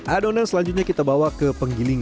adonan selanjutnya kita bawa ke penggiling